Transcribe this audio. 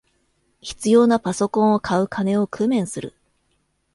必要なパソコンを買う金を工面する